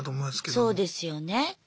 そうですよね。